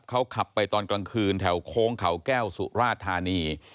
เขาขับไปตอนกลางคืนแถวโค้งเขาแก้วสุราธานี